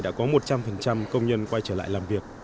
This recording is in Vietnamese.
đã có một trăm linh công nhân quay trở lại làm việc